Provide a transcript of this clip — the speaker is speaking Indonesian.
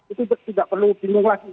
itu tidak perlu bingung lagi